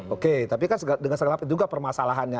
oke tapi kan dengan segala itu juga permasalahannya